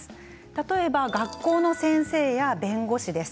例えば学校の先生や弁護士です。